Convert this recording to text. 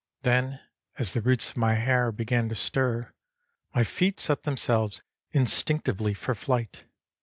Then, as the roots of my hair began to stir, my feet set themselves instinctively for flight.